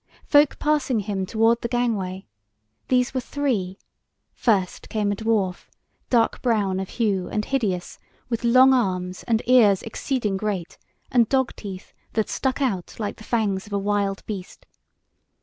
folk passing him toward the gangway. These were three; first came a dwarf, dark brown of hue and hideous, with long arms and ears exceeding great and dog teeth that stuck out like the fangs of a wild beast.